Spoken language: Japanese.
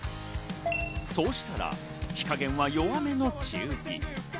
そうしたら、火加減は弱めの中火。